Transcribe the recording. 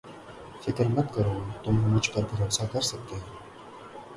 فکر مت کرو تم مجھ پر بھروسہ کر سکتے ہو